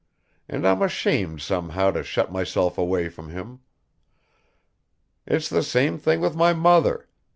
And I'm ashamed somehow to shut myself away from him. It's the same thing with my mother.